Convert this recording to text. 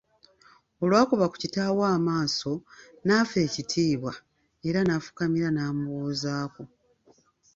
Olw'akuba ku kitaawe amaaso nafa ekitiibwa era n'afukamira namubuuzaako.